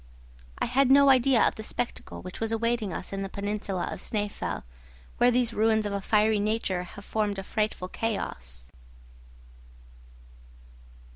I had no idea of the spectacle which was awaiting us in the peninsula of Snæfell, where these ruins of a fiery nature have formed a frightful chaos.